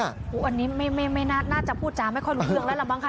อันนี้ไม่น่าจะพูดจาไม่ค่อยรู้เรื่องแล้วล่ะมั้งคะ